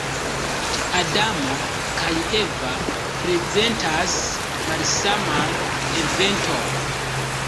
Adamo kaj Eva prezentas malsaman eventon.